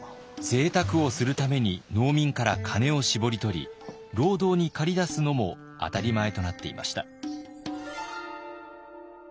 ぜいたくをするために農民から金を搾り取り労働に駆り出すのも当たり前となっていました。